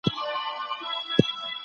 کابینه نوی سفیر نه باسي.